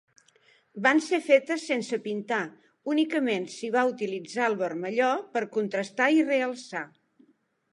Van ser fetes sense pintar, únicament s'hi va utilitzar el vermelló per contrastar i realçar.